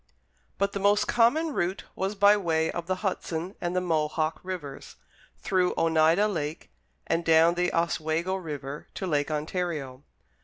But the most common route was by way of the Hudson and the Mohawk Rivers, through Oneida Lake and down the Oswego River to Lake Ontario.